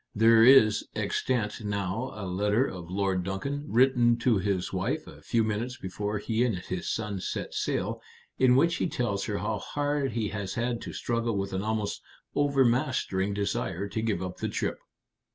There is extant now a letter of Lord Duncan, written to his wife a few minutes before he and his son set sail, in which he tells her how hard he has had to struggle with an almost overmastering desire to give up the trip.